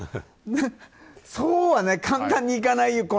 そうは簡単にいかないよ